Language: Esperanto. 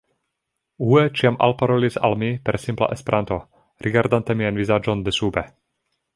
Hue ĉiam alparolis al mi per simpla Esperanto, rigardante mian vizaĝon desube.